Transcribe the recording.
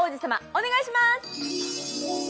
お願いします。